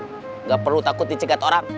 tidak perlu takut dicegat orang